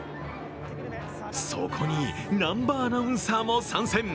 そこに南波アナウンサーも参戦。